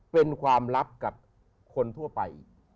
เป็นความลับกับคนทั่วไปอีก